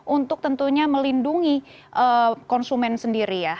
untuk tentunya melindungi konsumen sendiri ya